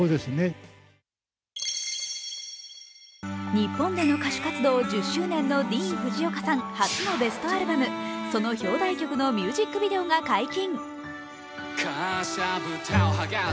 日本での歌手活動１０周年のＤＥＡＮＦＵＪＩＯＫＡさん初のベストアルバム、その表題曲のミュージックビデオが解禁。